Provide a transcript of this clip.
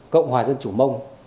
cộng hòa dân chủ mông